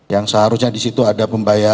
yang seharusnya disitu ada pembagian